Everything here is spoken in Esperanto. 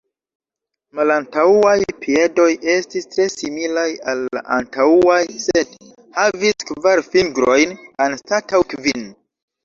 Malantaŭaj piedoj estis tre similaj al la antaŭaj, sed havis kvar fingrojn anstataŭ kvin.